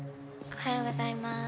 おはようございます。